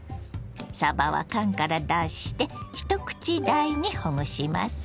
さばは缶から出して１口大にほぐします。